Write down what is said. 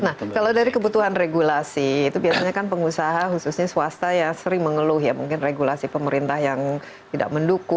nah kalau dari kebutuhan regulasi itu biasanya kan pengusaha khususnya swasta ya sering mengeluh ya mungkin regulasi pemerintah yang tidak mendukung